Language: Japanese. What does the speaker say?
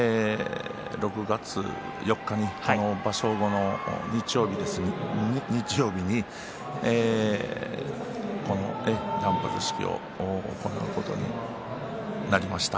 ６月の４日、この場所後の日曜日ですけども断髪式を行うことになりました。